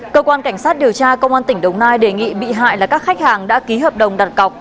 cơ quan cảnh sát điều tra công an tỉnh đồng nai đề nghị bị hại là các khách hàng đã ký hợp đồng đặt cọc